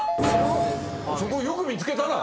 そこよく見つけたな